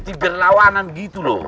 tapi berlawanan gitu loh